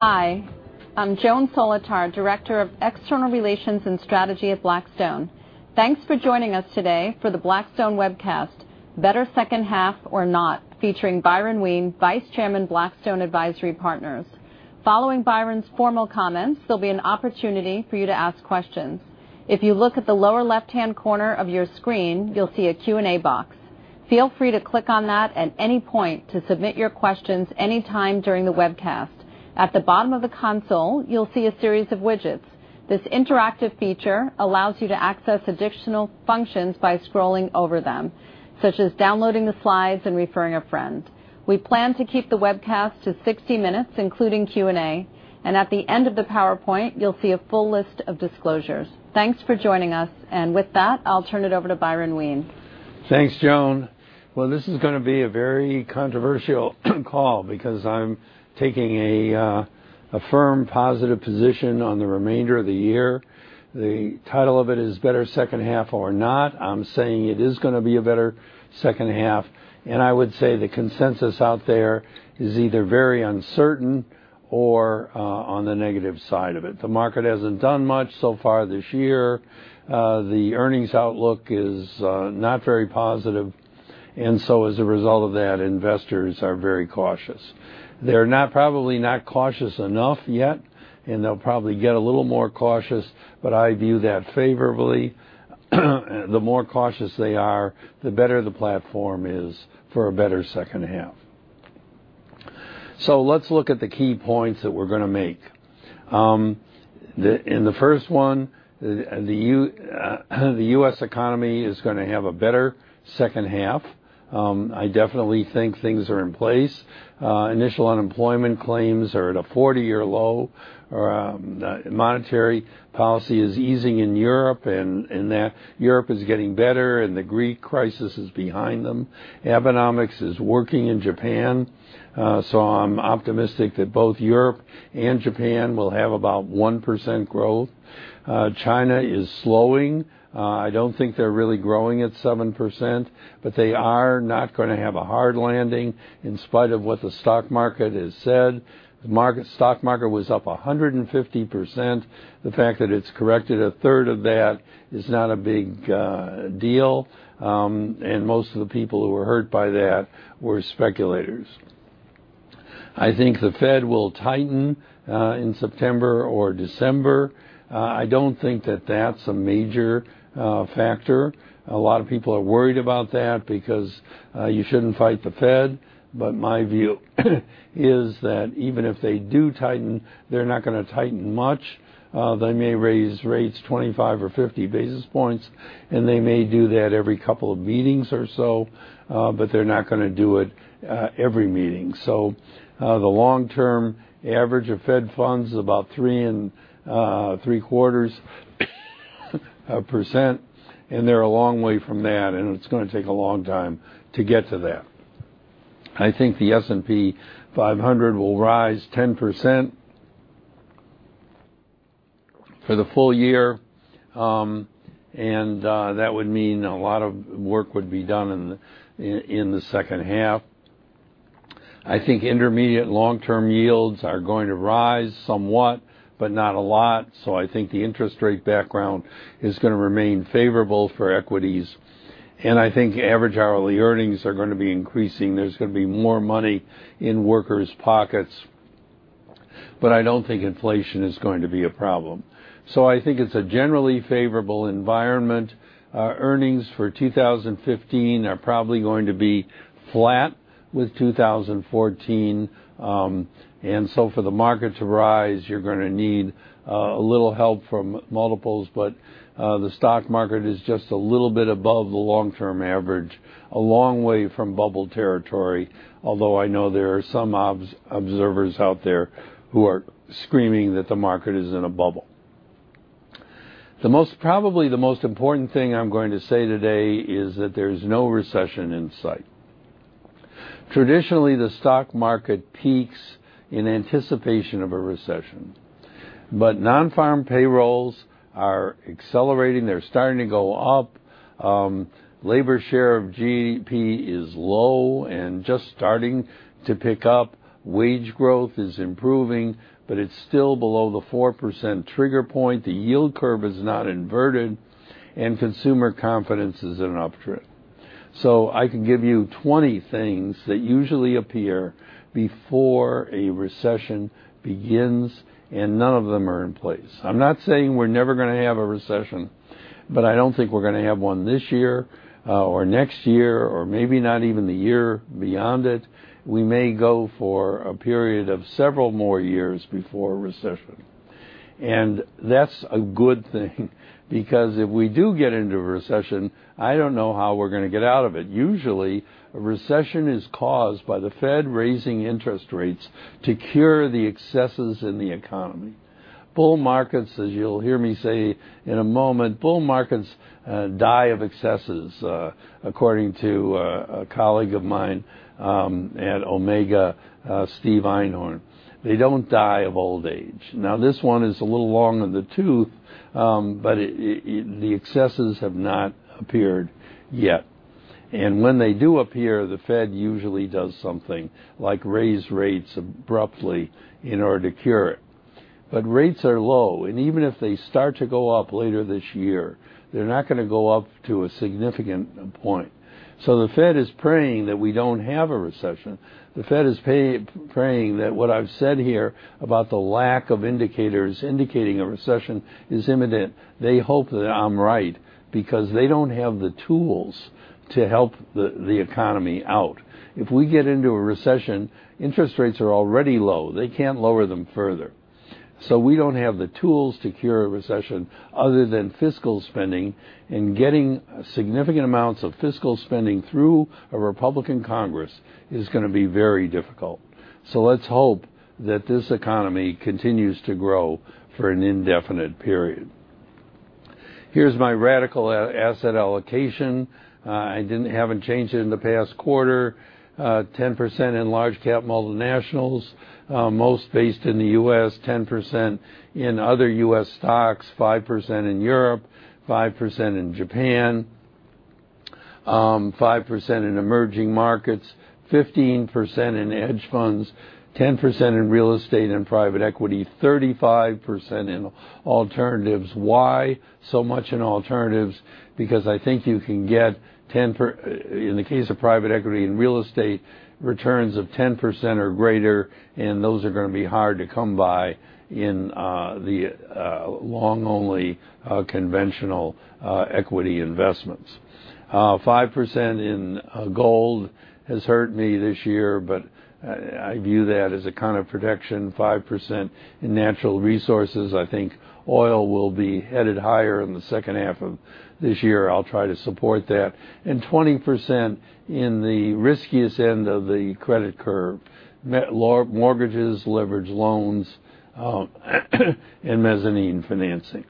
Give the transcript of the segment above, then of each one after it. Hi. I'm Joan Solotar, Director of External Relations and Strategy at Blackstone. Thanks for joining us today for the Blackstone webcast, Better Second Half or Not, featuring Byron Wien, Vice Chairman, Blackstone Advisory Partners. Following Byron's formal comments, there'll be an opportunity for you to ask questions. If you look at the lower left-hand corner of your screen, you'll see a Q&A box. Feel free to click on that at any point to submit your questions anytime during the webcast. At the bottom of the console, you'll see a series of widgets. This interactive feature allows you to access additional functions by scrolling over them, such as downloading the slides and referring a friend. We plan to keep the webcast to 60 minutes, including Q&A. At the end of the PowerPoint, you'll see a full list of disclosures. Thanks for joining us. With that, I'll turn it over to Byron Wien. Thanks, Joan. Well, this is going to be a very controversial call because I'm taking a firm positive position on the remainder of the year. The title of it is Better Second Half or Not. I'm saying it is going to be a better second half. I would say the consensus out there is either very uncertain or on the negative side of it. The market hasn't done much so far this year. The earnings outlook is not very positive. As a result of that, investors are very cautious. They're probably not cautious enough yet, and they'll probably get a little more cautious. I view that favorably. The more cautious they are, the better the platform is for a better second half. Let's look at the key points that we're going to make. In the first one, the U.S. economy is going to have a better second half. I definitely think things are in place. Initial unemployment claims are at a 40-year low. Monetary policy is easing in Europe. Europe is getting better and the Greek crisis is behind them. Abenomics is working in Japan. I'm optimistic that both Europe and Japan will have about 1% growth. China is slowing. I don't think they're really growing at 7%. They are not going to have a hard landing in spite of what the stock market has said. The stock market was up 150%. The fact that it's corrected a third of that is not a big deal. Most of the people who were hurt by that were speculators. I think the Fed will tighten in September or December. I don't think that that's a major factor. A lot of people are worried about that because you shouldn't fight the Fed. My view is that even if they do tighten, they're not going to tighten much. They may raise rates 25 or 50 basis points, and they may do that every couple of meetings or so, but they're not going to do it every meeting. The long-term average of Fed funds is about 3.75%, and they're a long way from that, and it's going to take a long time to get to that. I think the S&P 500 will rise 10% for the full year, and that would mean a lot of work would be done in the second half. I think intermediate long-term yields are going to rise somewhat, but not a lot. I think the interest rate background is going to remain favorable for equities. I think average hourly earnings are going to be increasing. There's going to be more money in workers' pockets, but I don't think inflation is going to be a problem. I think it's a generally favorable environment. Earnings for 2015 are probably going to be flat with 2014. For the market to rise, you're going to need a little help from multiples, but the stock market is just a little bit above the long-term average, a long way from bubble territory. Although I know there are some observers out there who are screaming that the market is in a bubble. Probably the most important thing I'm going to say today is that there's no recession in sight. Traditionally, the stock market peaks in anticipation of a recession. Non-farm payrolls are accelerating. They're starting to go up. Labor share of GDP is low and just starting to pick up. Wage growth is improving, but it's still below the 4% trigger point. The yield curve is not inverted, and consumer confidence is in an uptrend. I can give you 20 things that usually appear before a recession begins, and none of them are in place. I'm not saying we're never going to have a recession, but I don't think we're going to have one this year, or next year, or maybe not even the year beyond it. We may go for a period of several more years before a recession. That's a good thing because if we do get into a recession, I don't know how we're going to get out of it. Usually, a recession is caused by the Fed raising interest rates to cure the excesses in the economy. Bull markets, as you'll hear me say in a moment, bull markets die of excesses, according to a colleague of mine at Omega, Steve Einhorn. They don't die of old age. This one is a little long in the tooth, but the excesses have not appeared yet. When they do appear, the Fed usually does something like raise rates abruptly in order to cure it. Rates are low, and even if they start to go up later this year, they're not going to go up to a significant point. The Fed is praying that we don't have a recession. The Fed is praying that what I've said here about the lack of indicators indicating a recession is imminent. They hope that I'm right, because they don't have the tools to help the economy out. If we get into a recession, interest rates are already low. They can't lower them further. We don't have the tools to cure a recession other than fiscal spending, and getting significant amounts of fiscal spending through a Republican Congress is going to be very difficult. Let's hope that this economy continues to grow for an indefinite period. Here's my radical asset allocation. I haven't changed it in the past quarter. 10% in large cap multinationals, most based in the U.S., 10% in other U.S. stocks, 5% in Europe, 5% in Japan, 5% in emerging markets, 15% in hedge funds, 10% in real estate and private equity, 35% in alternatives. Why so much in alternatives? Because I think you can get, in the case of private equity and real estate, returns of 10% or greater, and those are going to be hard to come by in the long-only conventional equity investments. 5% in gold has hurt me this year. I view that as a kind of protection, 5% in natural resources. I think oil will be headed higher in the second half of this year. I'll try to support that. 20% in the riskiest end of the credit curve. Mortgages, leveraged loans, and mezzanine financing.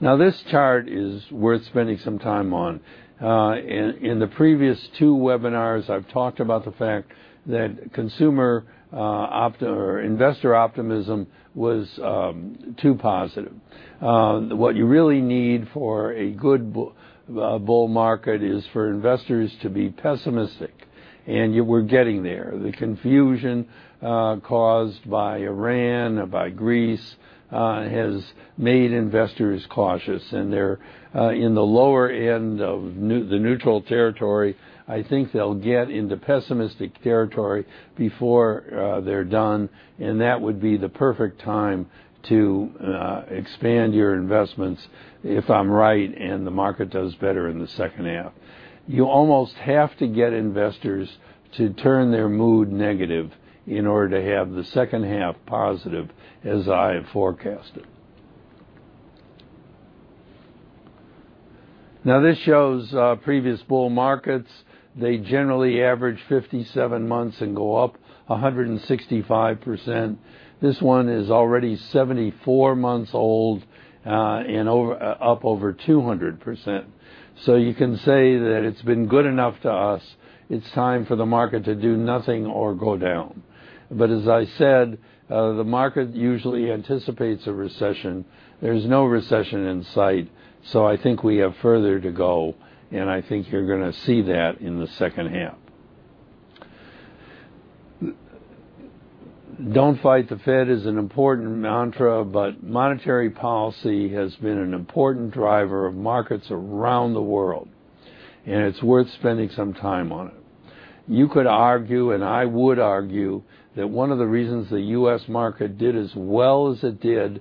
This chart is worth spending some time on. In the previous two webinars, I've talked about the fact that investor optimism was too positive. What you really need for a good bull market is for investors to be pessimistic, and we're getting there. The confusion caused by Iran, by Greece, has made investors cautious, and they're in the lower end of the neutral territory. I think they'll get into pessimistic territory before they're done. That would be the perfect time to expand your investments, if I'm right and the market does better in the second half. You almost have to get investors to turn their mood negative in order to have the second half positive, as I have forecasted. This shows previous bull markets. They generally average 57 months and go up 165%. This one is already 74 months old, and up over 200%. You can say that it's been good enough to us. It's time for the market to do nothing or go down. As I said, the market usually anticipates a recession. There's no recession in sight, I think we have further to go, and I think you're going to see that in the second half. Don't fight the Fed is an important mantra. Monetary policy has been an important driver of markets around the world, and it's worth spending some time on it. You could argue, and I would argue, that one of the reasons the U.S. market did as well as it did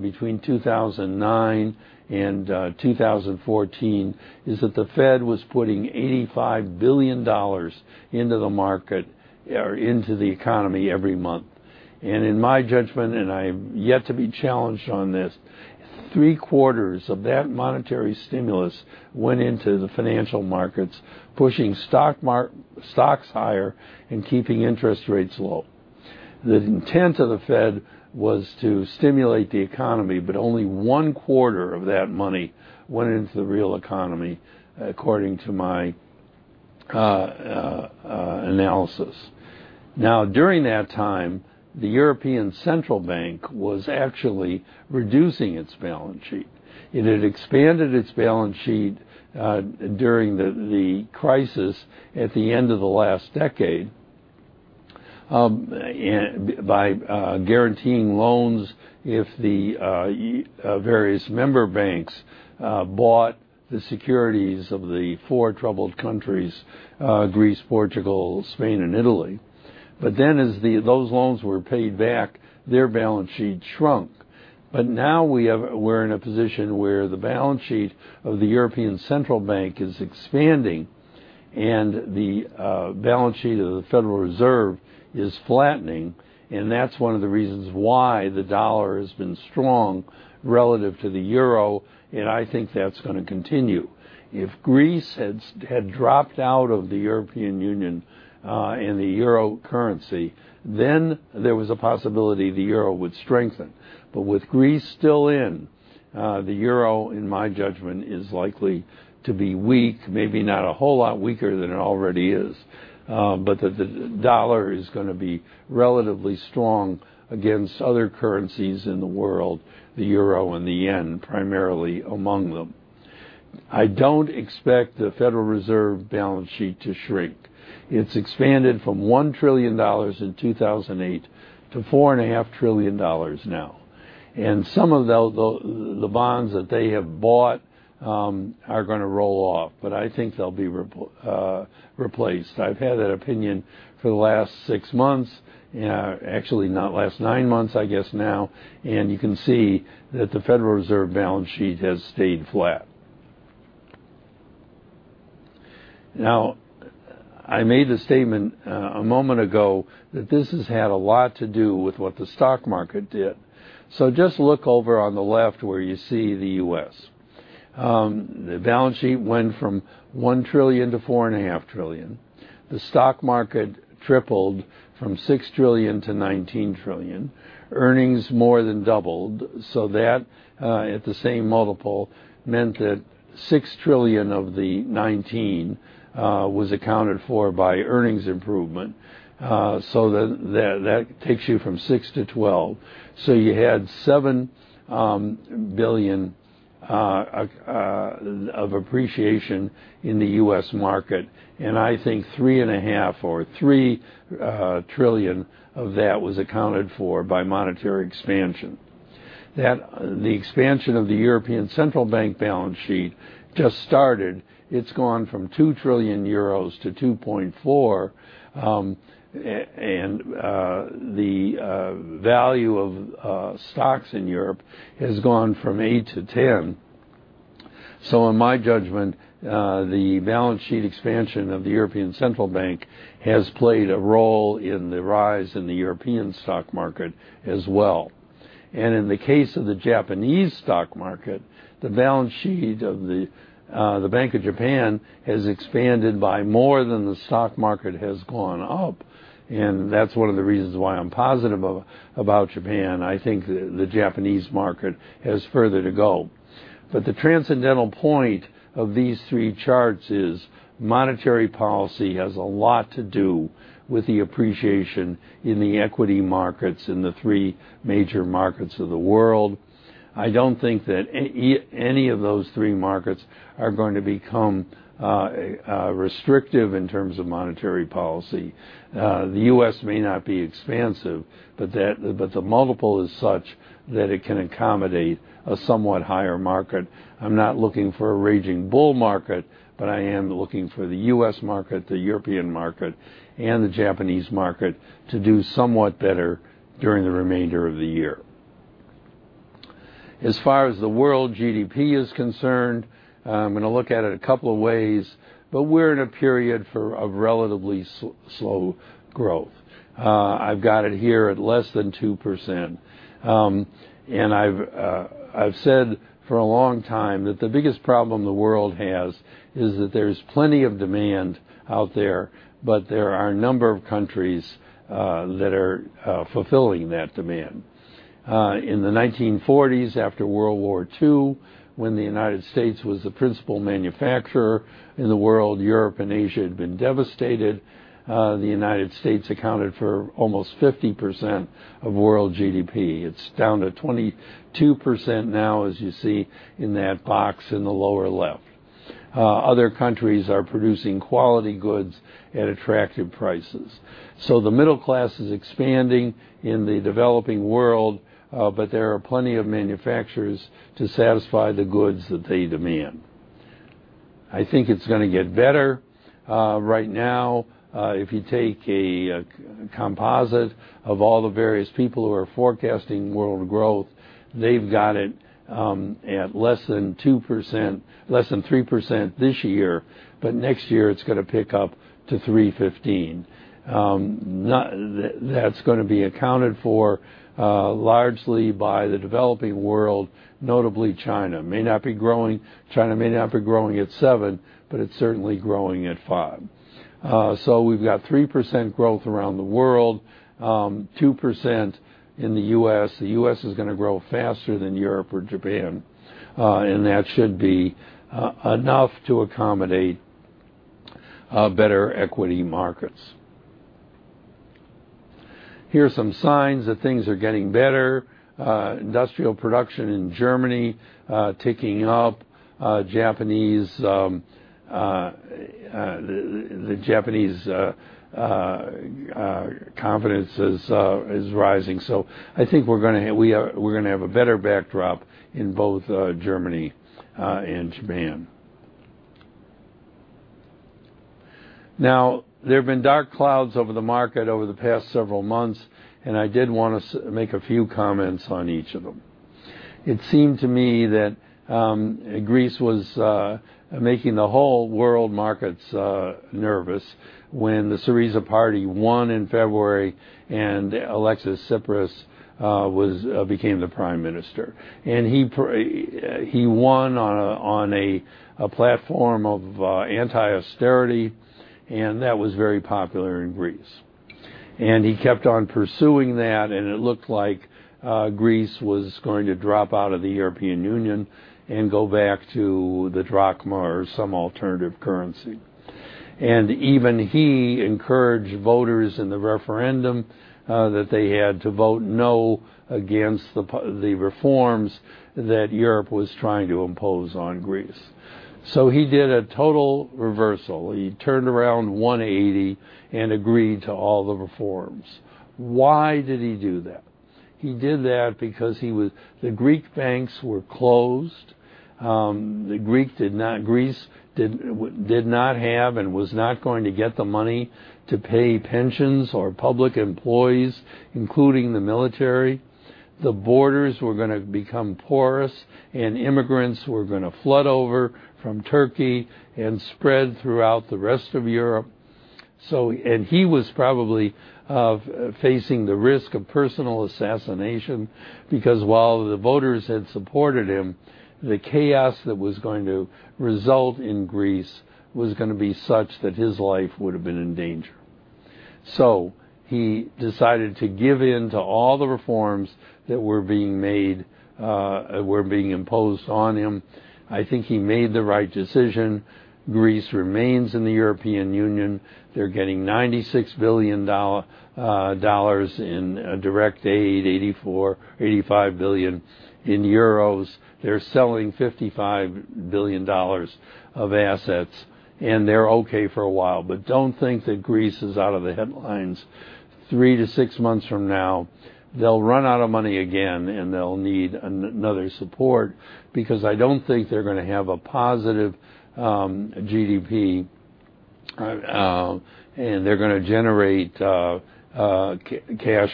between 2009 and 2014 is that the Fed was putting $85 billion into the economy every month. In my judgment, and I'm yet to be challenged on this, three-quarters of that monetary stimulus went into the financial markets, pushing stocks higher and keeping interest rates low. The intent of the Fed was to stimulate the economy, but only one-quarter of that money went into the real economy, according to my analysis. During that time, the European Central Bank was actually reducing its balance sheet. It had expanded its balance sheet during the crisis at the end of the last decade by guaranteeing loans if the various member banks bought the securities of the four troubled countries, Greece, Portugal, Spain, and Italy. As those loans were paid back, their balance sheet shrunk. Now we're in a position where the balance sheet of the European Central Bank is expanding and the balance sheet of the Federal Reserve is flattening, that's one of the reasons why the dollar has been strong relative to the euro, and I think that's going to continue. If Greece had dropped out of the European Union and the euro currency, then there was a possibility the euro would strengthen. With Greece still in, the euro, in my judgment, is likely to be weak, maybe not a whole lot weaker than it already is, the dollar is going to be relatively strong against other currencies in the world, the euro and the yen primarily among them. I don't expect the Federal Reserve balance sheet to shrink. It's expanded from $1 trillion in 2008 to $4.5 trillion now. Some of the bonds that they have bought are going to roll off, I think they'll be replaced. I've had that opinion for the last six months, actually last nine months, I guess now, you can see that the Federal Reserve balance sheet has stayed flat. I made the statement a moment ago that this has had a lot to do with what the stock market did. Just look over on the left where you see the U.S. The balance sheet went from $1 trillion to $4.5 trillion. The stock market tripled from $6 trillion to $19 trillion. Earnings more than doubled, that, at the same multiple, meant that $6 trillion of the $19 was accounted for by earnings improvement. That takes you from six to 12. You had $7 billion of appreciation in the U.S. market, I think $3.5 or $3 trillion of that was accounted for by monetary expansion. The expansion of the European Central Bank balance sheet just started. It's gone from 2 trillion euros to 2.4 trillion, the value of stocks in Europe has gone from eight to ten. In my judgment, the balance sheet expansion of the European Central Bank has played a role in the rise in the European stock market as well. In the case of the Japanese stock market, the balance sheet of the Bank of Japan has expanded by more than the stock market has gone up, that's one of the reasons why I'm positive about Japan. I think the Japanese market has further to go. The transcendental point of these three charts is monetary policy has a lot to do with the appreciation in the equity markets in the three major markets of the world. I don't think that any of those three markets are going to become restrictive in terms of monetary policy. The U.S. may not be expansive, the multiple is such that it can accommodate a somewhat higher market. I'm not looking for a raging bull market, I am looking for the U.S. market, the European market, and the Japanese market to do somewhat better during the remainder of the year. As far as the world GDP is concerned, I'm going to look at it a couple of ways, but we're in a period of relatively slow growth. I've got it here at less than 2%. I've said for a long time that the biggest problem the world has is that there's plenty of demand out there, but there are number of countries that are fulfilling that demand. In the 1940s, after World War II, when the United States was the principal manufacturer in the world, Europe and Asia had been devastated. The United States accounted for almost 50% of world GDP. It's down to 22% now, as you see in that box in the lower left. Other countries are producing quality goods at attractive prices. The middle class is expanding in the developing world, but there are plenty of manufacturers to satisfy the goods that they demand. I think it's going to get better. Right now, if you take a composite of all the various people who are forecasting world growth, they've got it at less than 3% this year, but next year, it's going to pick up to 3.15. That's going to be accounted for largely by the developing world, notably China. China may not be growing at seven, but it's certainly growing at five. We've got 3% growth around the world, 2% in the U.S. The U.S. is going to grow faster than Europe or Japan. That should be enough to accommodate better equity markets. Here are some signs that things are getting better. Industrial production in Germany ticking up. The Japanese confidence is rising. I think we're going to have a better backdrop in both Germany and Japan. There have been dark clouds over the market over the past several months, and I did want to make a few comments on each of them. It seemed to me that Greece was making the whole world markets nervous when the Syriza party won in February and Alexis Tsipras became the Prime Minister. He won on a platform of anti-austerity, and that was very popular in Greece. He kept on pursuing that, and it looked like Greece was going to drop out of the European Union and go back to the drachma or some alternative currency. Even he encouraged voters in the referendum that they had to vote no against the reforms that Europe was trying to impose on Greece. He did a total reversal. He turned around 180 and agreed to all the reforms. Why did he do that? He did that because the Greek banks were closed. Greece did not have and was not going to get the money to pay pensions or public employees, including the military. The borders were going to become porous, and immigrants were going to flood over from Turkey and spread throughout the rest of Europe. He was probably facing the risk of personal assassination, because while the voters had supported him, the chaos that was going to result in Greece was going to be such that his life would have been in danger. He decided to give in to all the reforms that were being imposed on him. I think he made the right decision. Greece remains in the European Union. They're getting $96 billion in direct aid, 84 billion-85 billion euros. They're selling $55 billion of assets, and they're okay for a while. Don't think that Greece is out of the headlines. 3-6 months from now, they'll run out of money again, and they'll need another support, because I don't think they're going to have a positive GDP, and they're going to generate cash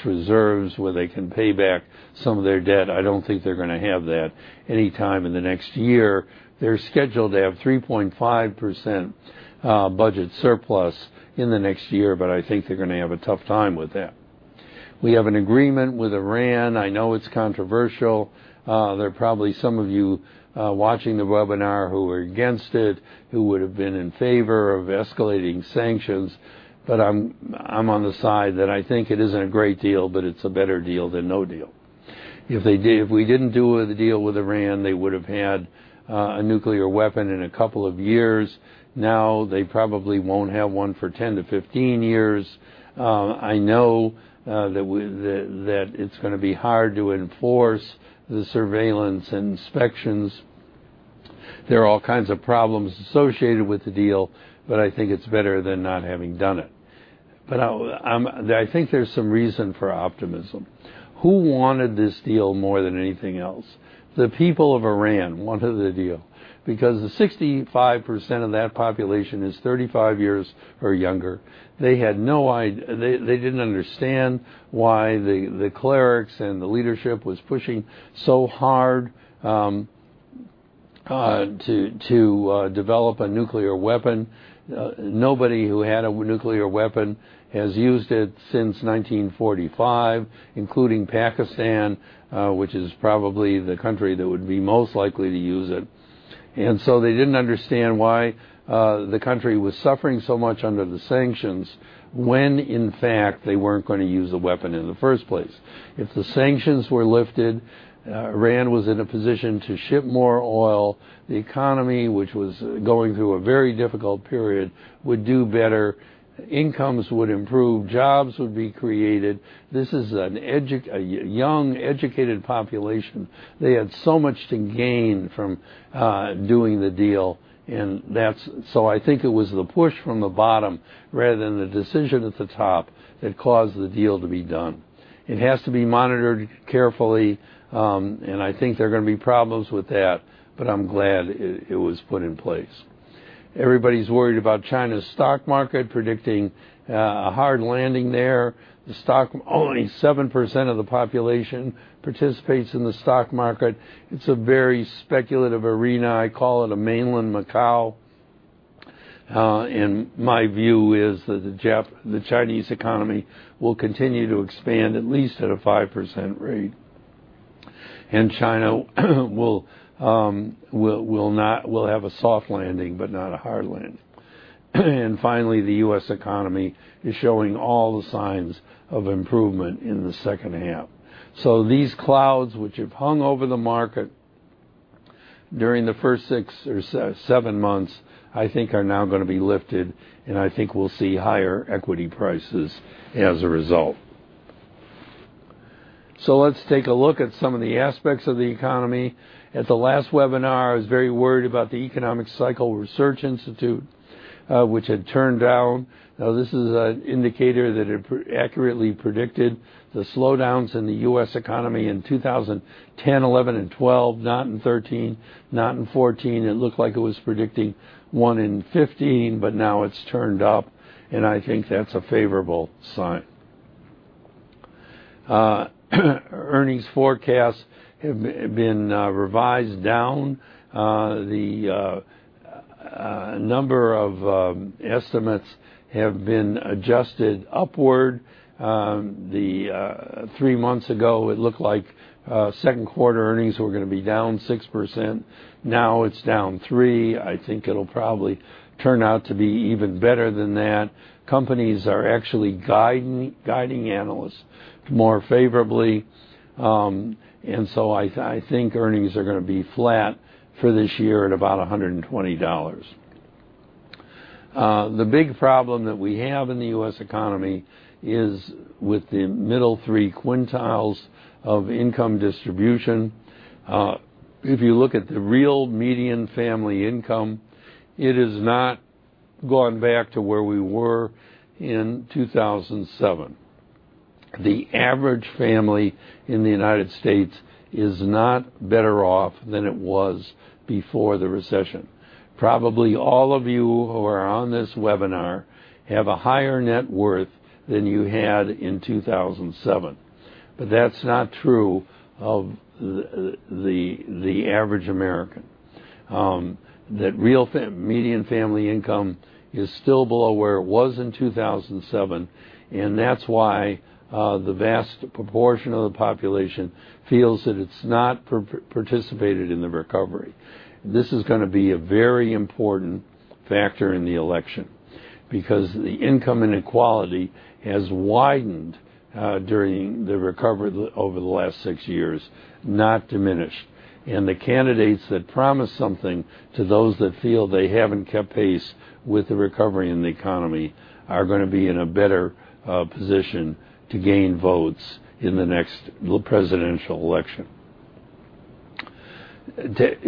reserves where they can pay back some of their debt. I don't think they're going to have that anytime in the next year. They're scheduled to have 3.5% budget surplus in the next year, I think they're going to have a tough time with that. We have an agreement with Iran. I know it's controversial. There are probably some of you watching the webinar who are against it, who would have been in favor of escalating sanctions, I'm on the side that I think it isn't a great deal, it's a better deal than no deal. If we didn't do the deal with Iran, they would have had a nuclear weapon in a couple of years. Now they probably won't have one for 10-15 years. I know that it's going to be hard to enforce the surveillance inspections. There are all kinds of problems associated with the deal, I think it's better than not having done it. I think there's some reason for optimism. Who wanted this deal more than anything else? The people of Iran wanted the deal because the 65% of that population is 35 years or younger. They didn't understand why the clerics and the leadership was pushing so hard to develop a nuclear weapon. Nobody who had a nuclear weapon has used it since 1945, including Pakistan, which is probably the country that would be most likely to use it. They didn't understand why the country was suffering so much under the sanctions when, in fact, they weren't going to use the weapon in the first place. If the sanctions were lifted, Iran was in a position to ship more oil. The economy, which was going through a very difficult period, would do better, incomes would improve, jobs would be created. This is a young, educated population. They had so much to gain from doing the deal, I think it was the push from the bottom rather than the decision at the top that caused the deal to be done. It has to be monitored carefully, I think there are going to be problems with that, I'm glad it was put in place. Everybody's worried about China's stock market, predicting a hard landing there. Only 7% of the population participates in the stock market. It's a very speculative arena. I call it a mainland Macau. My view is that the Chinese economy will continue to expand at least at a 5% rate. China will have a soft landing, not a hard landing. Finally, the U.S. economy is showing all the signs of improvement in the second half. These clouds which have hung over the market during the first six or seven months, I think are now going to be lifted, I think we'll see higher equity prices as a result. Let's take a look at some of the aspects of the economy. At the last webinar, I was very worried about the Economic Cycle Research Institute, which had turned down. Now, this is an indicator that had accurately predicted the slowdowns in the U.S. economy in 2010, 2011, and 2012, not in 2013, not in 2014. It looked like it was predicting one in 2015, but now it's turned up, and I think that's a favorable sign. Earnings forecasts have been revised down. The number of estimates have been adjusted upward. Three months ago, it looked like second quarter earnings were going to be down 6%. Now it's down 3%. I think it'll probably turn out to be even better than that. Companies are actually guiding analysts more favorably. I think earnings are going to be flat for this year at about $120. The big problem that we have in the U.S. economy is with the middle 3 quintiles of income distribution. If you look at the real median family income, it has not gone back to where we were in 2007. The average family in the United States is not better off than it was before the recession. Probably all of you who are on this webinar have a higher net worth than you had in 2007, but that's not true of the average American. That real median family income is still below where it was in 2007, and that's why the vast proportion of the population feels that it's not participated in the recovery. This is going to be a very important factor in the election, because the income inequality has widened during the recovery over the last six years, not diminished. The candidates that promise something to those that feel they haven't kept pace with the recovery in the economy are going to be in a better position to gain votes in the next presidential election.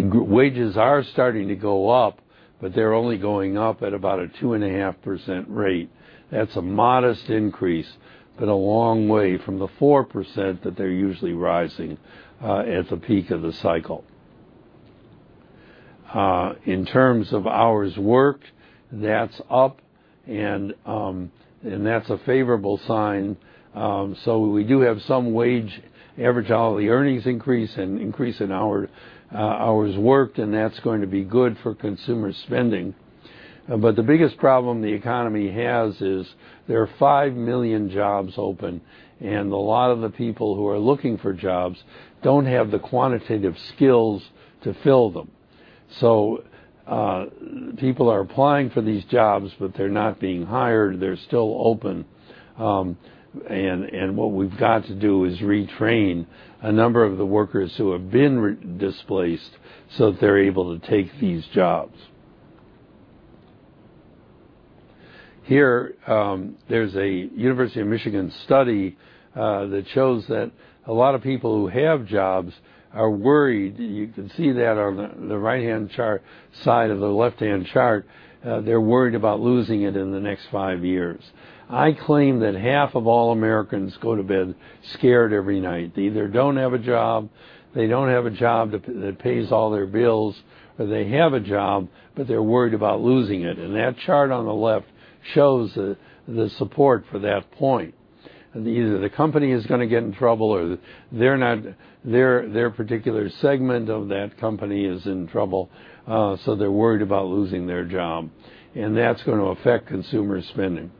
Wages are starting to go up, but they're only going up at about a 2.5% rate. That's a modest increase, but a long way from the 4% that they're usually rising at the peak of the cycle. In terms of hours worked, that's up, and that's a favorable sign. We do have some average hourly earnings increase and increase in hours worked, and that's going to be good for consumer spending. The biggest problem the economy has is there are five million jobs open, and a lot of the people who are looking for jobs don't have the quantitative skills to fill them. People are applying for these jobs, but they're not being hired. They're still open. What we've got to do is retrain a number of the workers who have been displaced so that they're able to take these jobs. Here, there's a University of Michigan study that shows that a lot of people who have jobs are worried. You can see that on the right-hand chart, side of the left-hand chart. They're worried about losing it in the next five years. I claim that half of all Americans go to bed scared every night. They either don't have a job, they don't have a job that pays all their bills, or they have a job, but they're worried about losing it. That chart on the left shows the support for that point. Either the company is going to get in trouble, or their particular segment of that company is in trouble, so they're worried about losing their job. That's going to affect consumer spending.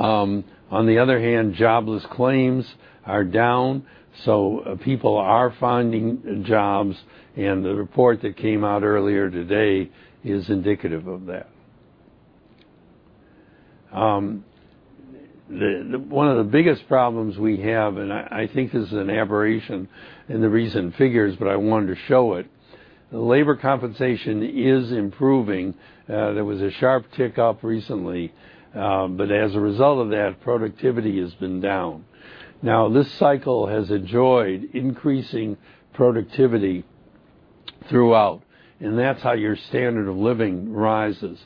On the other hand, jobless claims are down, so people are finding jobs, and the report that came out earlier today is indicative of that. One of the biggest problems we have, I think this is an aberration in the recent figures, but I wanted to show it, labor compensation is improving. There was a sharp tick up recently. As a result of that, productivity has been down. This cycle has enjoyed increasing productivity throughout, That's how your standard of living rises.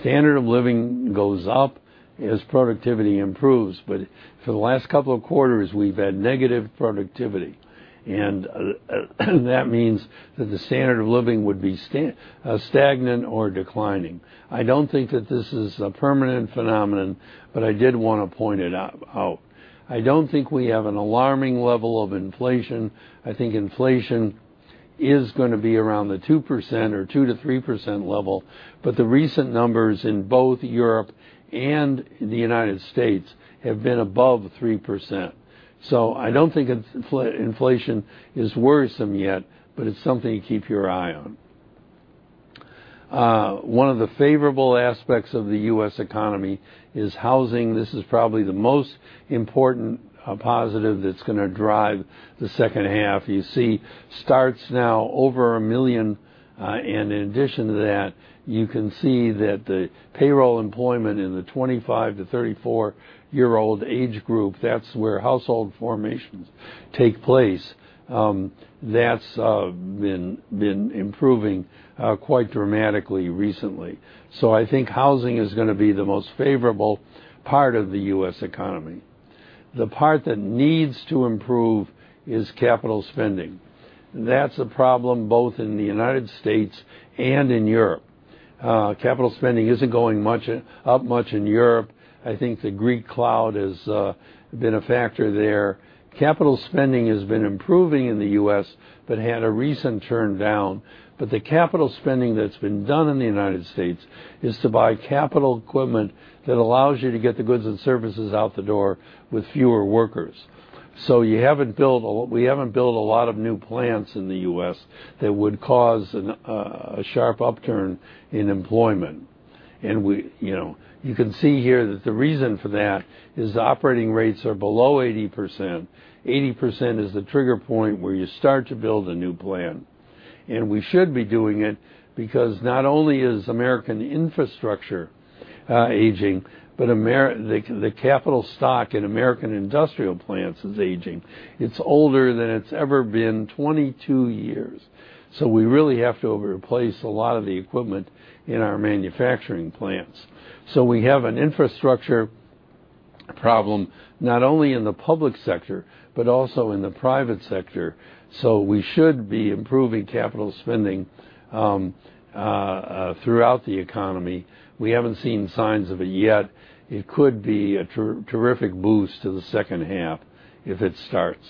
Standard of living goes up as productivity improves. For the last couple of quarters, we've had negative productivity, That means that the standard of living would be stagnant or declining. I don't think that this is a permanent phenomenon, but I did want to point it out. I don't think we have an alarming level of inflation. I think inflation is going to be around the 2% or 2%-3% level, but the recent numbers in both Europe and the U.S. have been above 3%. I don't think inflation is worrisome yet, but it's something to keep your eye on. One of the favorable aspects of the U.S. economy is housing. This is probably the most important positive that's going to drive the second half. You see starts now over 1 million. In addition to that, you can see that the payroll employment in the 25-34-year-old age group, that's where household formations take place. That's been improving quite dramatically recently. I think housing is going to be the most favorable part of the U.S. economy. The part that needs to improve is capital spending. That's a problem both in the U.S. and in Europe. Capital spending isn't going up much in Europe. I think the Greek cloud has been a factor there. Capital spending has been improving in the U.S., Had a recent turn down. The capital spending that's been done in the U.S. is to buy capital equipment that allows you to get the goods and services out the door with fewer workers. We haven't built a lot of new plants in the U.S. that would cause a sharp upturn in employment. You can see here that the reason for that is operating rates are below 80%. 80% is the trigger point where you start to build a new plant. We should be doing it because not only is American infrastructure aging, but the capital stock in American industrial plants is aging. It's older than it's ever been, 22 years. We really have to replace a lot of the equipment in our manufacturing plants. We have an infrastructure problem, not only in the public sector, but also in the private sector. We should be improving capital spending throughout the economy. We haven't seen signs of it yet. It could be a terrific boost to the second half if it starts.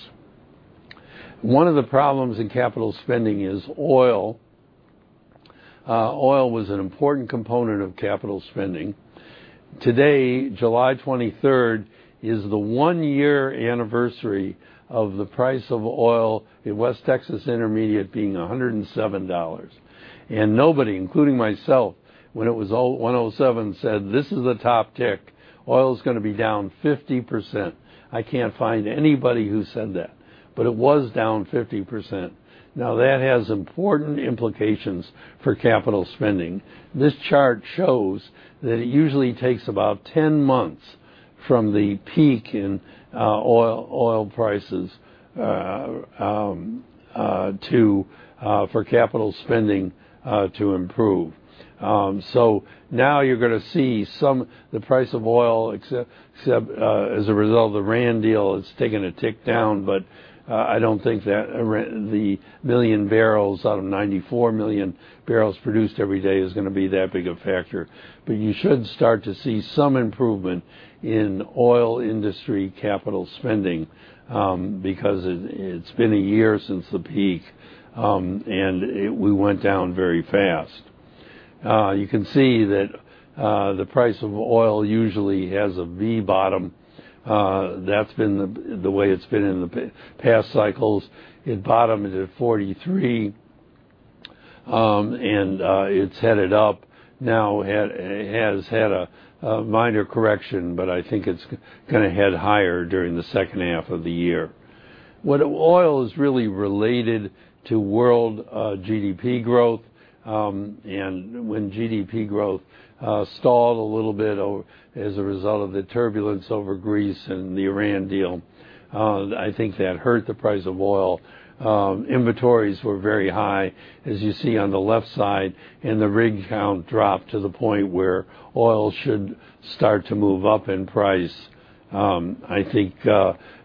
One of the problems in capital spending is oil. Oil was an important component of capital spending. Today, July 23rd, is the one-year anniversary of the price of oil, the West Texas Intermediate, being $107. Nobody, including myself, when it was $107 said, "This is the top tick. Oil is going to be down 50%." I can't find anybody who said that, but it was down 50%. That has important implications for capital spending. This chart shows that it usually takes about 10 months from the peak in oil prices for capital spending to improve. Now you're going to see the price of oil, except as a result of the Iran deal, it's taken a tick down, I don't think that the 1 million barrels out of 94 million barrels produced every day is going to be that big a factor. You should start to see some improvement in oil industry capital spending because it's been a year since the peak, and we went down very fast. You can see that the price of oil usually has a V-bottom. That's been the way it's been in the past cycles. It bottomed at 43, and it's headed up. It has had a minor correction, but I think it's going to head higher during the second half of the year. Oil is really related to world GDP growth. When GDP growth stalled a little bit as a result of the turbulence over Greece and the Iran deal, I think that hurt the price of oil. Inventories were very high, as you see on the left side, and the rig count dropped to the point where oil should start to move up in price. I think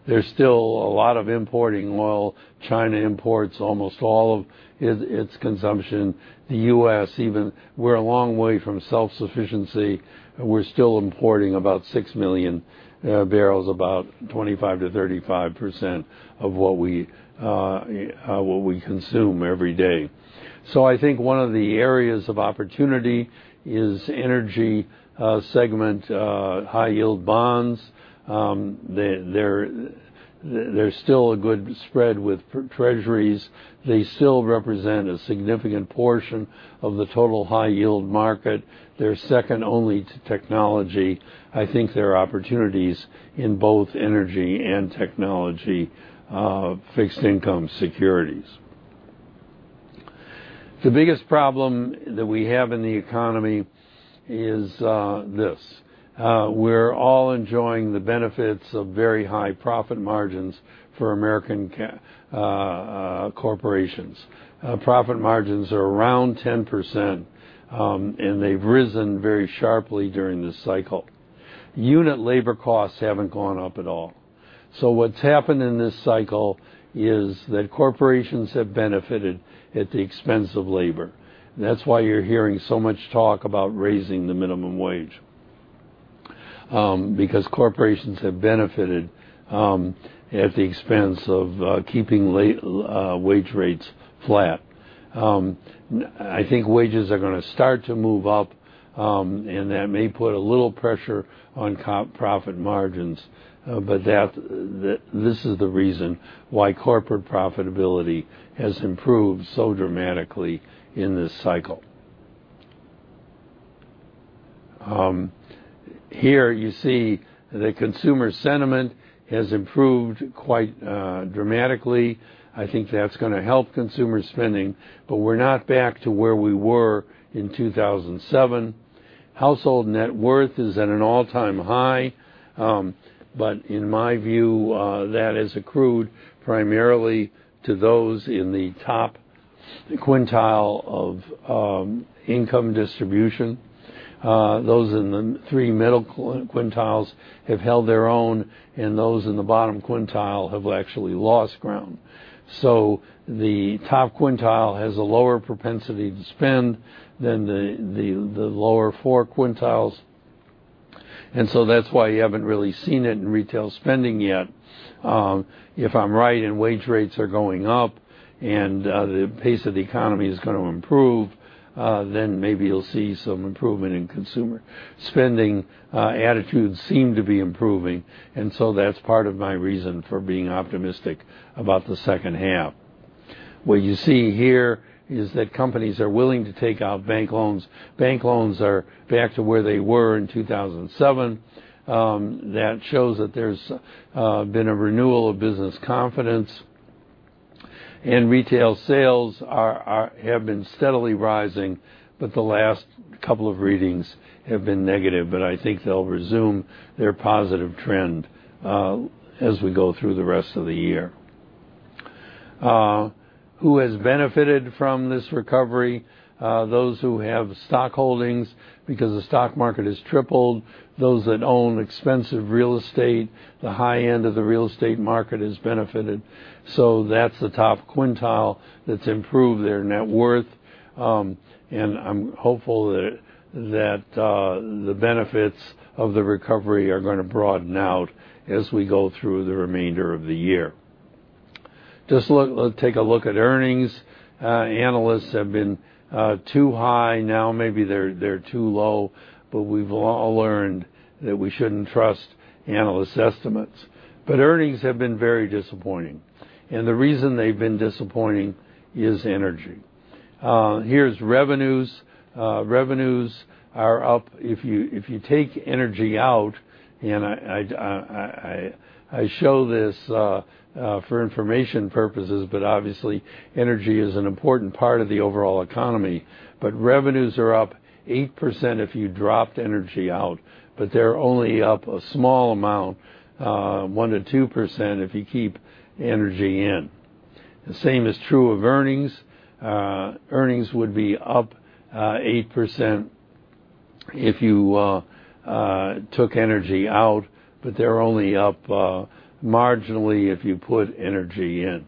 there's still a lot of importing oil. China imports almost all of its consumption. The U.S., even we're a long way from self-sufficiency. We're still importing about 6 million barrels, about 25%-35% of what we consume every day. I think one of the areas of opportunity is energy segment high-yield bonds. There's still a good spread with treasuries. They still represent a significant portion of the total high-yield market. They're second only to technology. I think there are opportunities in both energy and technology, fixed income securities. The biggest problem that we have in the economy is this. We're all enjoying the benefits of very high profit margins for American corporations. Profit margins are around 10%, and they've risen very sharply during this cycle. Unit labor costs haven't gone up at all. What's happened in this cycle is that corporations have benefited at the expense of labor. That's why you're hearing so much talk about raising the minimum wage because corporations have benefited at the expense of keeping wage rates flat. I think wages are going to start to move up, that may put a little pressure on profit margins, this is the reason why corporate profitability has improved so dramatically in this cycle. Here you see the consumer sentiment has improved quite dramatically. I think that's going to help consumer spending, we're not back to where we were in 2007. Household net worth is at an all-time high, in my view, that has accrued primarily to those in the top quintile of income distribution. Those in the 3 middle quintiles have held their own, those in the bottom quintile have actually lost ground. The top quintile has a lower propensity to spend than the lower 4 quintiles, that's why you haven't really seen it in retail spending yet. If I'm right, wage rates are going up, the pace of the economy is going to improve, maybe you'll see some improvement in consumer spending. Attitudes seem to be improving, that's part of my reason for being optimistic about the second half. What you see here is that companies are willing to take out bank loans. Bank loans are back to where they were in 2007. That shows that there's been a renewal of business confidence. Retail sales have been steadily rising, the last couple of readings have been negative, I think they'll resume their positive trend as we go through the rest of the year. Who has benefited from this recovery? Those who have stock holdings, because the stock market has tripled. Those that own expensive real estate, the high end of the real estate market has benefited. That's the top quintile that's improved their net worth. I'm hopeful that the benefits of the recovery are going to broaden out as we go through the remainder of the year. Just take a look at earnings. Analysts have been too high. Now, maybe they're too low. We've all learned that we shouldn't trust analyst estimates. Earnings have been very disappointing. The reason they've been disappointing is energy. Here's revenues. Revenues are up if you take energy out, I show this for information purposes, obviously, energy is an important part of the overall economy. Revenues are up 8% if you dropped energy out, they're only up a small amount, 1%-2% if you keep energy in. The same is true of earnings. Earnings would be up 8% if you took energy out, they're only up marginally if you put energy in.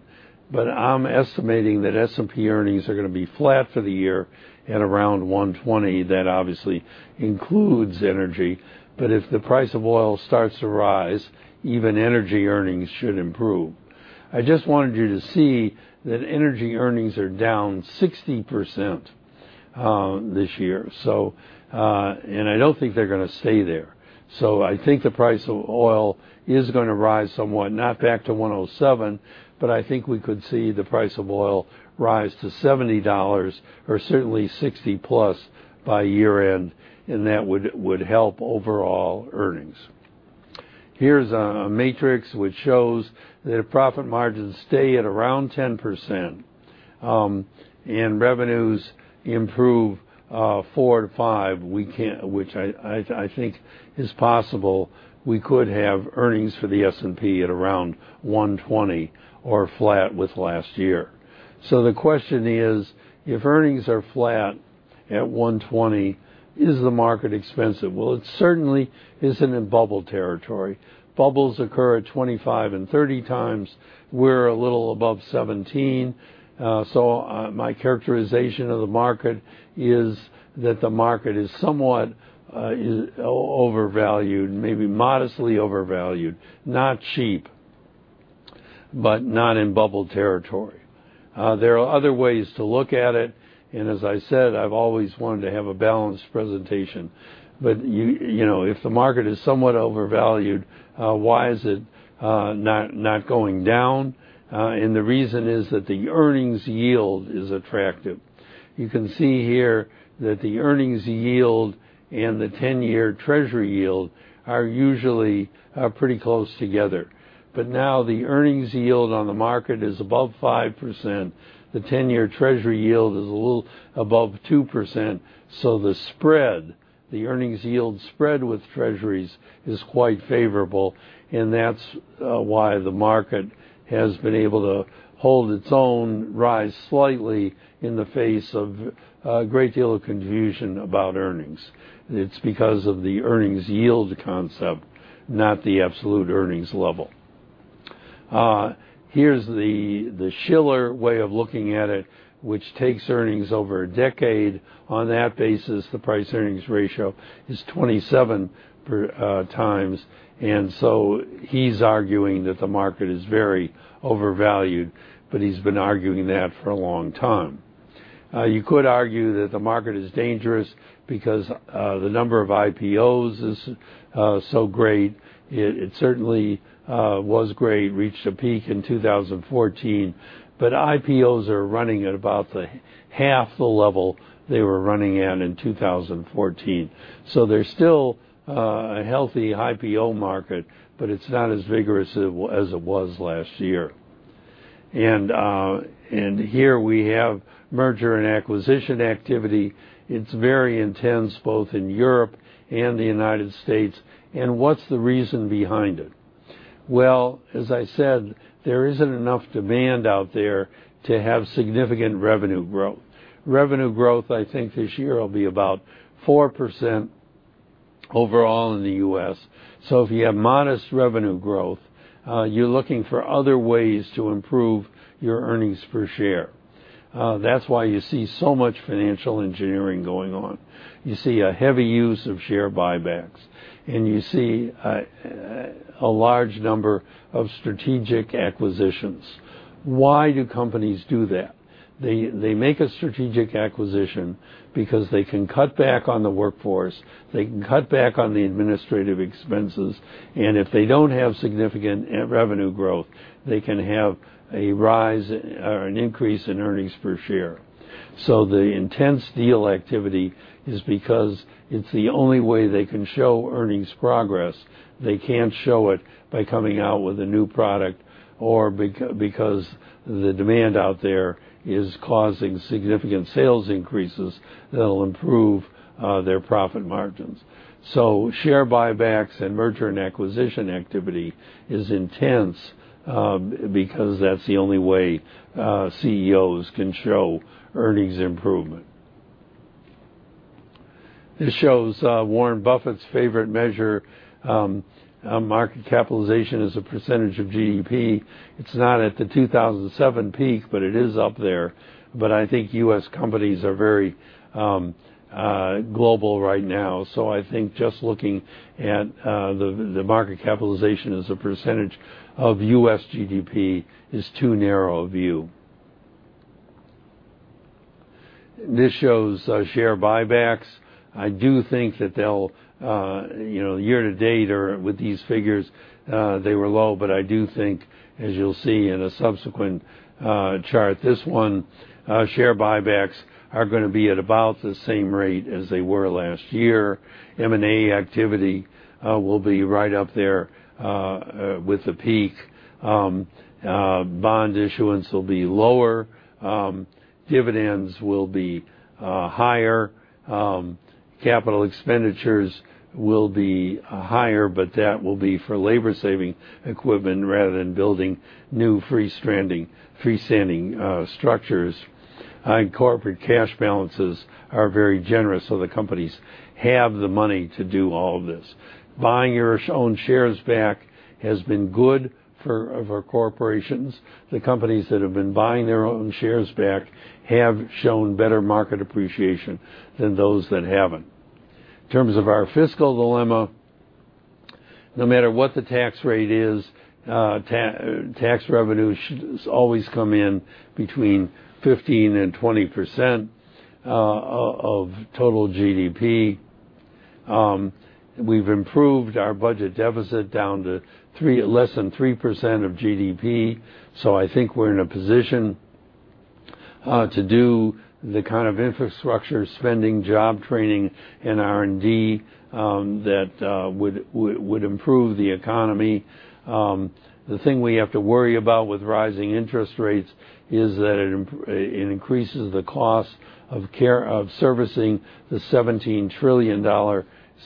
I'm estimating that S&P earnings are going to be flat for the year at around 120. That obviously includes energy. If the price of oil starts to rise, even energy earnings should improve. I just wanted you to see that energy earnings are down 60% this year. I don't think they're going to stay there. I think the price of oil is going to rise somewhat, not back to $107, I think we could see the price of oil rise to $70 or certainly $60-plus by year-end, that would help overall earnings. Here's a matrix which shows that if profit margins stay at around 10%, revenues improve 4%-5%, which I think is possible, we could have earnings for the S&P at around 120 or flat with last year. The question is, if earnings are flat at 120, is the market expensive? It certainly isn't in bubble territory. Bubbles occur at 25 and 30 times. We're a little above 17. My characterization of the market is that the market is somewhat overvalued, maybe modestly overvalued, not cheap, not in bubble territory. There are other ways to look at it, as I said, I've always wanted to have a balanced presentation. If the market is somewhat overvalued, why is it not going down? The reason is that the earnings yield is attractive. You can see here that the earnings yield and the 10-year treasury yield are usually pretty close together. Now the earnings yield on the market is above 5%. The 10-year treasury yield is a little above 2%. The spread, the earnings yield spread with treasuries is quite favorable, that's why the market has been able to hold its own, rise slightly in the face of a great deal of confusion about earnings. It's because of the earnings yield concept, not the absolute earnings level. Here's the Shiller way of looking at it, which takes earnings over a decade. On that basis, the price-earnings ratio is 27 times. He's arguing that the market is very overvalued, but he's been arguing that for a long time. You could argue that the market is dangerous because the number of IPOs is so great. It certainly was great, reached a peak in 2014, but IPOs are running at about half the level they were running at in 2014. There's still a healthy IPO market, but it's not as vigorous as it was last year. Here we have merger and acquisition activity. It's very intense, both in Europe and the U.S. What's the reason behind it? Well, as I said, there isn't enough demand out there to have significant revenue growth. Revenue growth, I think this year, will be about 4% overall in the U.S. If you have modest revenue growth, you're looking for other ways to improve your earnings per share. That's why you see so much financial engineering going on. You see a heavy use of share buybacks, you see a large number of strategic acquisitions. Why do companies do that? They make a strategic acquisition because they can cut back on the workforce, they can cut back on the administrative expenses, and if they don't have significant revenue growth, they can have a rise or an increase in earnings per share. The intense deal activity is because it's the only way they can show earnings progress. They can't show it by coming out with a new product or because the demand out there is causing significant sales increases that'll improve their profit margins. Share buybacks and merger and acquisition activity is intense because that's the only way CEOs can show earnings improvement. This shows Warren Buffett's favorite measure, market capitalization as a percentage of GDP. It's not at the 2007 peak, but it is up there. I think U.S. companies are very global right now, so I think just looking at the market capitalization as a percentage of U.S. GDP is too narrow a view. This shows share buybacks. I do think that year to date or with these figures, they were low, but I do think, as you'll see in a subsequent chart, this one, share buybacks are going to be at about the same rate as they were last year. M&A activity will be right up there with a peak. Bond issuance will be lower. Dividends will be higher. Capital expenditures will be higher, that will be for labor-saving equipment rather than building new free-standing structures. Corporate cash balances are very generous, the companies have the money to do all of this. Buying your own shares back has been good for corporations. The companies that have been buying their own shares back have shown better market appreciation than those that haven't. In terms of our fiscal dilemma, no matter what the tax rate is, tax revenue should always come in between 15%-20% of total GDP. We've improved our budget deficit down to less than 3% of GDP, I think we're in a position to do the kind of infrastructure spending, job training, and R&D that would improve the economy. The thing we have to worry about with rising interest rates is that it increases the cost of servicing the $17 trillion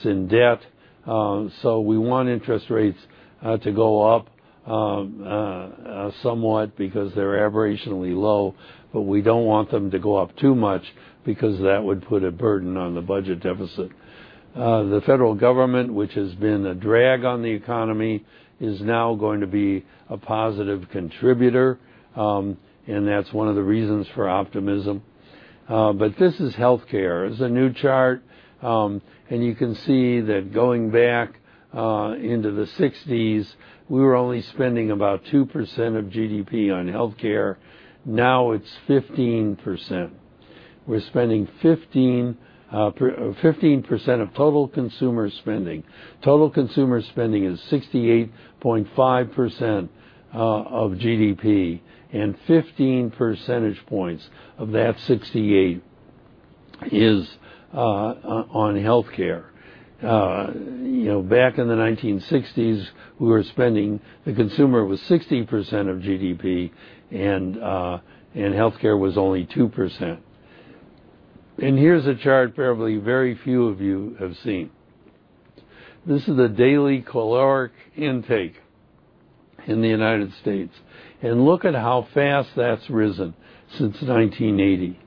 in debt. We want interest rates to go up somewhat because they're aberrantly low. We don't want them to go up too much because that would put a burden on the budget deficit. The federal government, which has been a drag on the economy, is now going to be a positive contributor, and that's one of the reasons for optimism. This is healthcare. This is a new chart. You can see that going back into the 1960s, we were only spending about 2% of GDP on healthcare. Now it's 15%. We're spending 15% of total consumer spending. Total consumer spending is 68.5% of GDP, and 15 percentage points of that 68 is on healthcare. Back in the 1960s, we were spending, the consumer was 16% of GDP, and healthcare was only 2%. Here's a chart probably very few of you have seen. This is the daily caloric intake in the U.S. Look at how fast that's risen since 1980.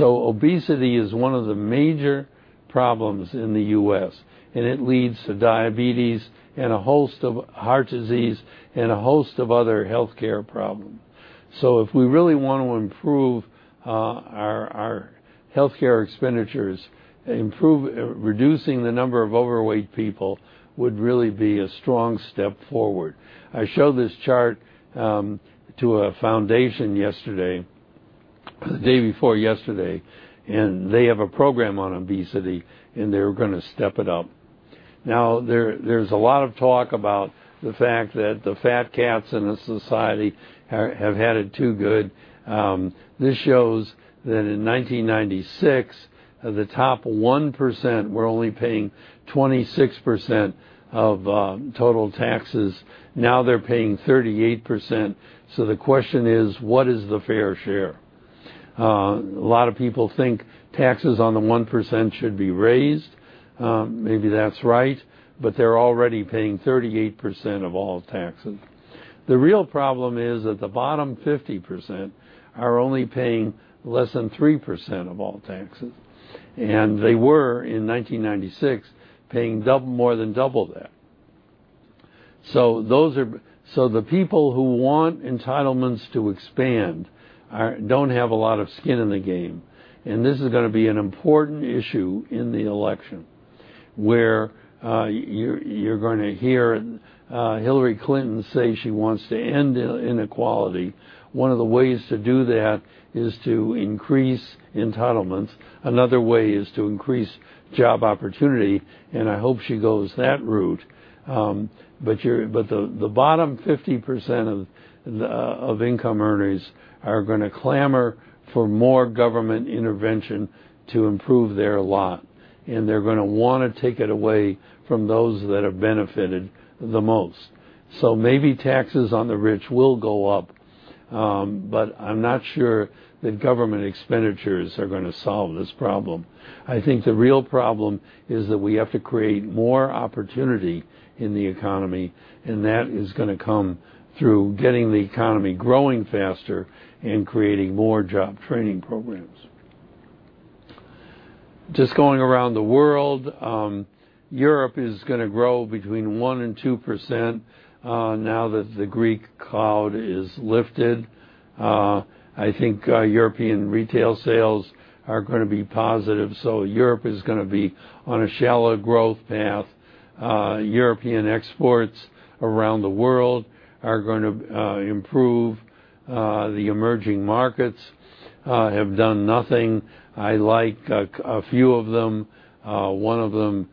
Obesity is one of the major problems in the U.S., and it leads to diabetes, heart disease, and a host of other healthcare problems. If we really want to improve our healthcare expenditures, reducing the number of overweight people would really be a strong step forward. I showed this chart to a foundation yesterday, the day before yesterday. They have a program on obesity, and they were going to step it up. There's a lot of talk about the fact that the fat cats in the society have had it too good. This shows that in 1996, the top 1% were only paying 26% of total taxes. Now they're paying 38%. The question is, what is the fair share? A lot of people think taxes on the 1% should be raised. Maybe that's right. They're already paying 38% of all taxes. The real problem is that the bottom 50% are only paying less than 3% of all taxes. They were, in 1996, paying more than double that. The people who want entitlements to expand don't have a lot of skin in the game. This is going to be an important issue in the election, where you're going to hear Hillary Clinton say she wants to end inequality. One of the ways to do that is to increase entitlements. Another way is to increase job opportunity. I hope she goes that route. The bottom 50% of income earners are going to clamor for more government intervention to improve their lot, and they're going to want to take it away from those that have benefited the most. Maybe taxes on the rich will go up. I'm not sure that government expenditures are going to solve this problem. I think the real problem is that we have to create more opportunity in the economy, and that is going to come through getting the economy growing faster and creating more job training programs. Just going around the world, Europe is going to grow between 1% and 2% now that the Greek cloud is lifted. I think European retail sales are going to be positive. Europe is going to be on a shallow growth path. European exports around the world are going to improve. The emerging markets have done nothing. I like a few of them. One of them,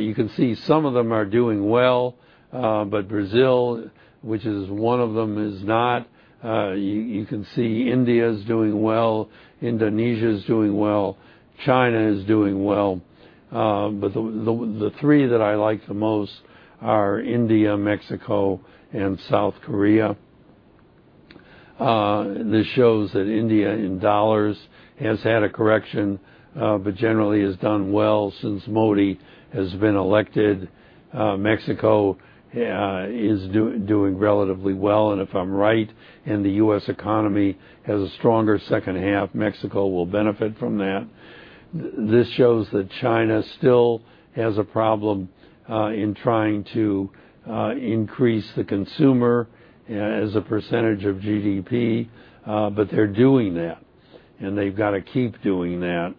you can see some of them are doing well. Brazil, which is one of them, is not. You can see India is doing well, Indonesia is doing well, China is doing well. The three that I like the most are India, Mexico, and South Korea. This shows that India, in dollars, has had a correction, but generally has done well since Modi has been elected. Mexico is doing relatively well, and if I'm right and the U.S. economy has a stronger second half, Mexico will benefit from that. This shows that China still has a problem in trying to increase the consumer as a percentage of GDP, but they're doing that, and they've got to keep doing that.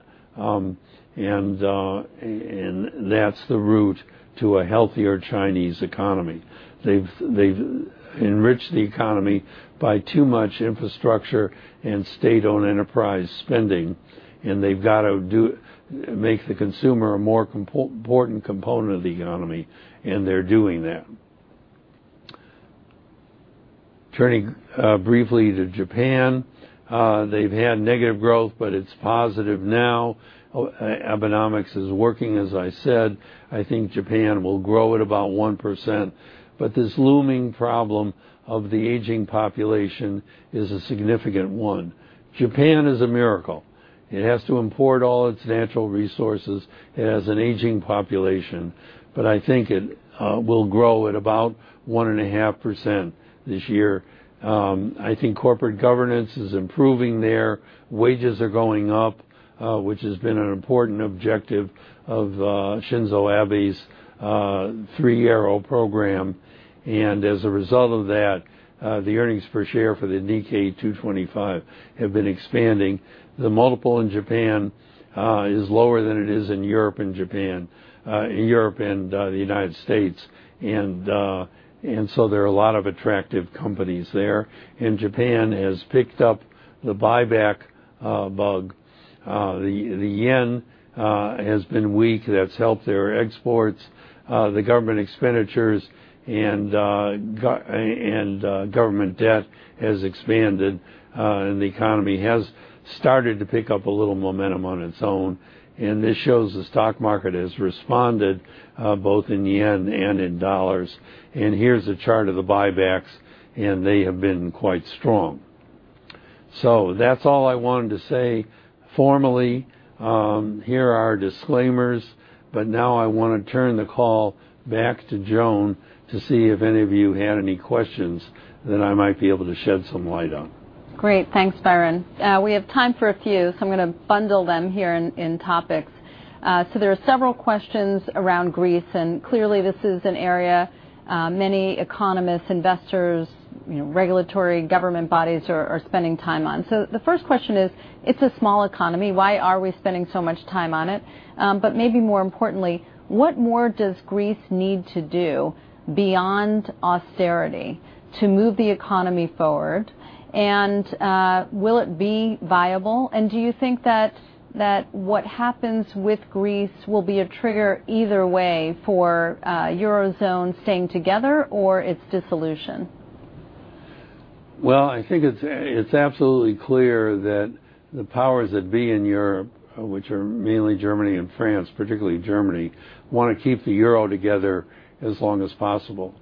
That's the route to a healthier Chinese economy. They've enriched the economy by too much infrastructure and state-owned enterprise spending, and they've got to make the consumer a more important component of the economy, and they're doing that. Turning briefly to Japan. They've had negative growth, but it's positive now. Abenomics is working, as I said. I think Japan will grow at about 1%, but this looming problem of the aging population is a significant one. Japan is a miracle. It has to import all its natural resources. It has an aging population. I think it will grow at about 1.5% this year. I think corporate governance is improving there. Wages are going up, which has been an important objective of Shinzo Abe's three-arrow program. As a result of that, the earnings per share for the Nikkei 225 have been expanding. The multiple in Japan is lower than it is in Europe and the United States, and there are a lot of attractive companies there. Japan has picked up the buyback bug. The yen has been weak. That's helped their exports. The government expenditures and government debt has expanded, and the economy has started to pick up a little momentum on its own. This shows the stock market has responded, both in yen and in dollars. Here's a chart of the buybacks, and they have been quite strong. That's all I wanted to say formally. Here are our disclaimers. Now I want to turn the call back to Joan to see if any of you had any questions that I might be able to shed some light on. Great. Thanks, Byron. We have time for a few, so I'm going to bundle them here in topics. There are several questions around Greece, and clearly this is an area many economists, investors, regulatory government bodies are spending time on. The first question is, it's a small economy, why are we spending so much time on it? Maybe more importantly, what more does Greece need to do beyond austerity to move the economy forward? Will it be viable? Do you think that what happens with Greece will be a trigger either way for Eurozone staying together or its dissolution? Well, I think it's absolutely clear that the powers that be in Europe, which are mainly Germany and France, particularly Germany, want to keep the euro together as long as possible.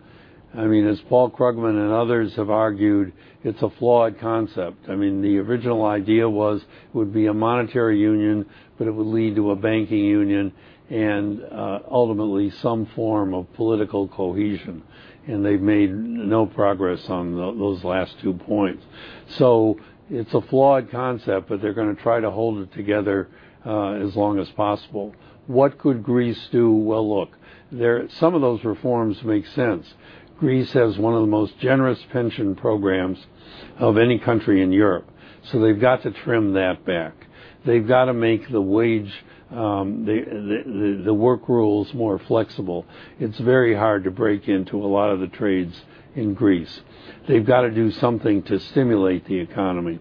As Paul Krugman and others have argued, it's a flawed concept. The original idea was it would be a monetary union, but it would lead to a banking union and ultimately some form of political cohesion. They've made no progress on those last two points. It's a flawed concept, but they're going to try to hold it together as long as possible. What could Greece do? Well, look, some of those reforms make sense. Greece has one of the most generous pension programs of any country in Europe, so they've got to trim that back. They've got to make the work rules more flexible. It's very hard to break into a lot of the trades in Greece. They've got to do something to stimulate the economy.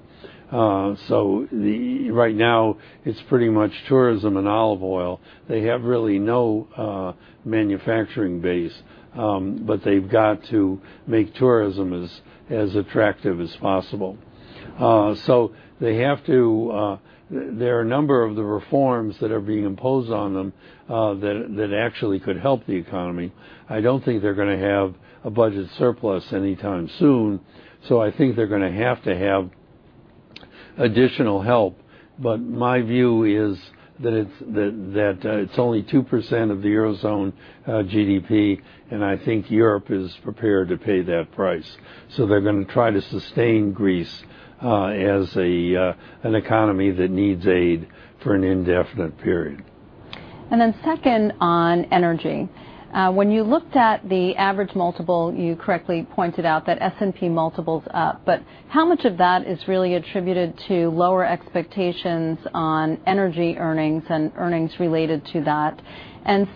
Right now, it's pretty much tourism and olive oil. They have really no manufacturing base, but they've got to make tourism as attractive as possible. There are a number of the reforms that are being imposed on them that actually could help the economy. I don't think they're going to have a budget surplus anytime soon, so I think they're going to have to have additional help. My view is that it's only 2% of the Eurozone GDP, and I think Europe is prepared to pay that price. They're going to try to sustain Greece as an economy that needs aid for an indefinite period. Second on energy. When you looked at the average multiple, you correctly pointed out that S&P multiple's up, but how much of that is really attributed to lower expectations on energy earnings and earnings related to that?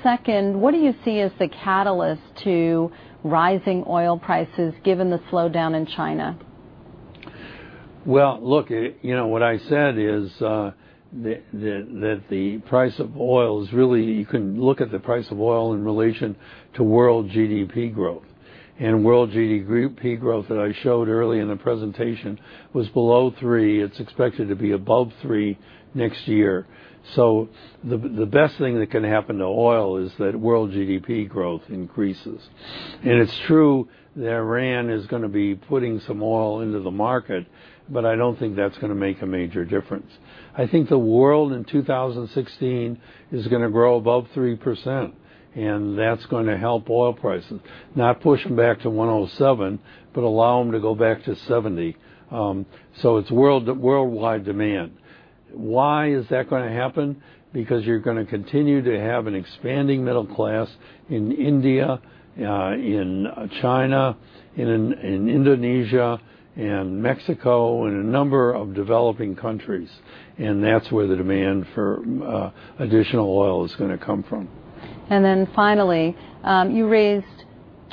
Second, what do you see as the catalyst to rising oil prices given the slowdown in China? Well, look, what I said is that the price of oil is really. You can look at the price of oil in relation to world GDP growth. World GDP growth that I showed early in the presentation was below three. It's expected to be above three next year. The best thing that can happen to oil is that world GDP growth increases. It's true that Iran is going to be putting some oil into the market, but I don't think that's going to make a major difference. I think the world in 2016 is going to grow above 3%, and that's going to help oil prices. Not push them back to $107, but allow them to go back to $70. It's worldwide demand. Why is that going to happen? You're going to continue to have an expanding middle class in India, in China, in Indonesia, in Mexico, and a number of developing countries. That's where the demand for additional oil is going to come from. Finally, you raised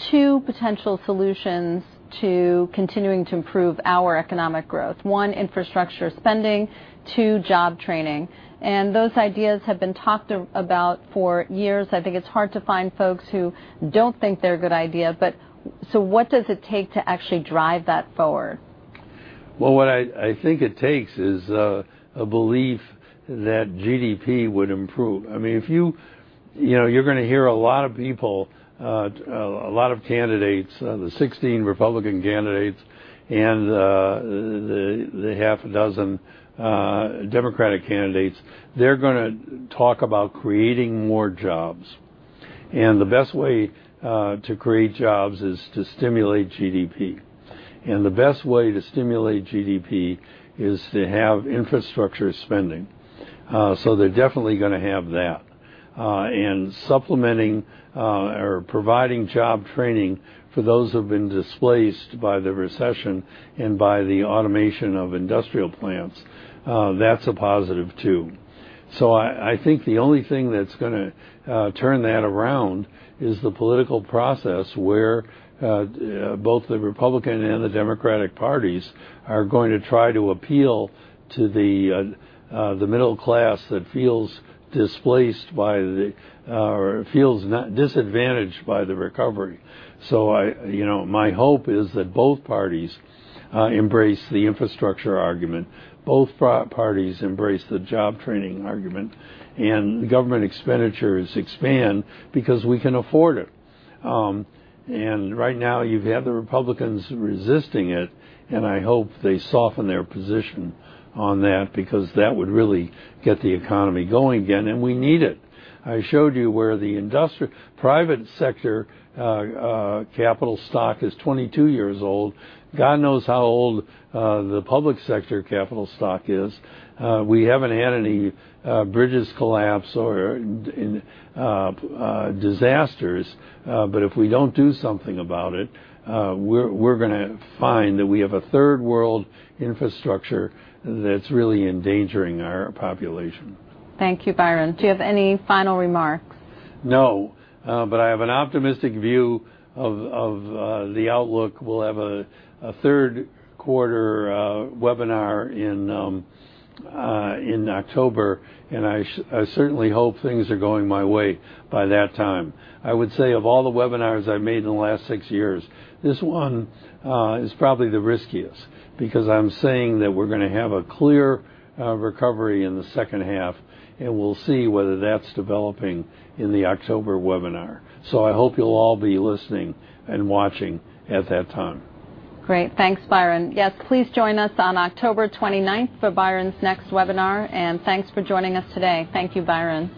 two potential solutions to continuing to improve our economic growth. One, infrastructure spending, two, job training. Those ideas have been talked about for years. I think it's hard to find folks who don't think they're a good idea. What does it take to actually drive that forward? Well, what I think it takes is a belief that GDP would improve. You're going to hear a lot of people, a lot of candidates, the 16 Republican candidates and the half a dozen Democratic candidates, they're going to talk about creating more jobs. The best way to create jobs is to stimulate GDP. The best way to stimulate GDP is to have infrastructure spending. They're definitely going to have that. Supplementing or providing job training for those who've been displaced by the recession and by the automation of industrial plants, that's a positive, too. I think the only thing that's going to turn that around is the political process where both the Republican and the Democratic parties are going to try to appeal to the middle class that feels disadvantaged by the recovery. My hope is that both parties embrace the infrastructure argument, both parties embrace the job training argument, and government expenditures expand because we can afford it. Right now, you've had the Republicans resisting it, and I hope they soften their position on that because that would really get the economy going again, and we need it. I showed you where the private sector capital stock is 22 years old. God knows how old the public sector capital stock is. We haven't had any bridges collapse or disasters. If we don't do something about it, we're going to find that we have a third-world infrastructure that's really endangering our population. Thank you, Byron. Do you have any final remarks? No, but I have an optimistic view of the outlook. We'll have a third quarter webinar in October, and I certainly hope things are going my way by that time. I would say of all the webinars I've made in the last six years, this one is probably the riskiest because I'm saying that we're going to have a clear recovery in the second half, and we'll see whether that's developing in the October webinar. I hope you'll all be listening and watching at that time. Great. Thanks, Byron. Yes, please join us on October 29th for Byron's next webinar, and thanks for joining us today. Thank you, Byron.